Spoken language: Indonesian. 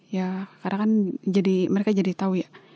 ya karena kan mereka jadi tahu ya